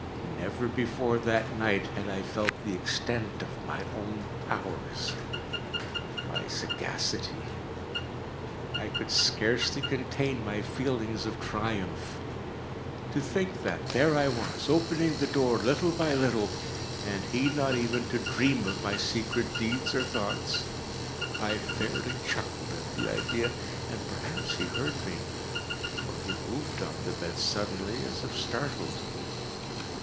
Never before that night had I felt the extent of my own powers—of my sagacity. I could scarcely contain my feelings of triumph. To think that there I was, opening the door, little by little, and he not even to dream of my secret deeds or thoughts. I fairly chuckled at the idea; and perhaps he heard me; for he moved on the bed suddenly, as if startled.